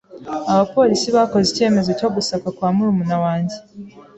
Abapolisi bakoze icyemezo cyo gusaka kwa murumuna wanjye.